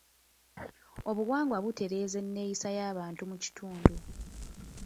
Obuwangwa butereeza enneeyisa y'abantu mu kitundu.